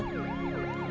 maafin aku pak